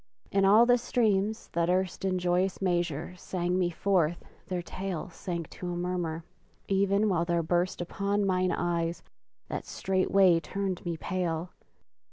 and all the streams that erst In joyous measure sang me forth their tale Sank to a murmur; even while there burst Upon mine eyes that straightway turned me pale!